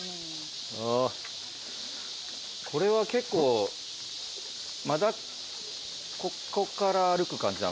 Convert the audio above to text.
これは結構まだこっから歩く感じなのかな？